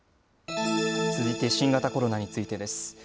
続いて新型コロナについてです。